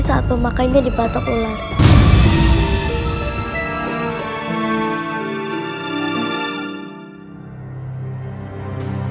saat memiliki kekuatan yang berfungsi saat memiliki kekuatan yang berfungsi saat